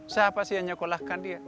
siapa sih yang nyokolahkan dia